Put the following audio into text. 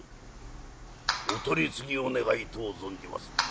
お取り次ぎを願いとう存じます」。